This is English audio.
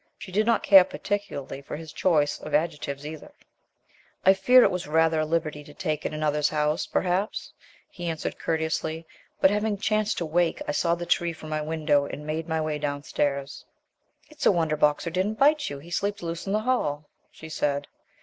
She did not care particularly for his choice of adjectives either. "I fear it was rather a liberty to take in another's house, perhaps," he answered courteously. "But, having chanced to wake, I saw the tree from my window, and made my way downstairs." "It's a wonder Boxer didn't bit you; he sleeps loose in the hall," she said.